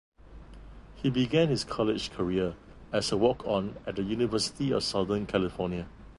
He began his college career as a walk-on at the University of Southern California.